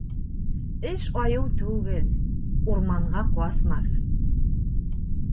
Эш айыу түгел, урманға ҡасмаҫ.